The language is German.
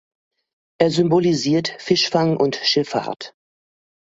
Er symbolisiert Fischfang und Schifffahrt.